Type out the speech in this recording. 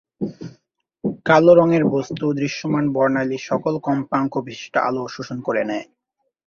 কালো রঙের বস্তু দৃশ্যমান বর্ণালীর সকল কম্পাঙ্ক বিশিষ্ট আলো শোষণ করে নেয়।